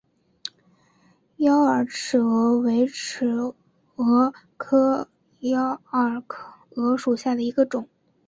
妖洱尺蛾为尺蛾科洱尺蛾属下的一个种。